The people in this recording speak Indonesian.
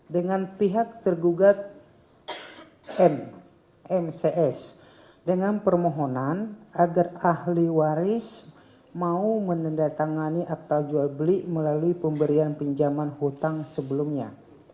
dengan pihak tergugat mcs dengan permohonan agar ahli waris mau menandatangani akta jual beli melalui pemberian pinjaman hutang sebelumnya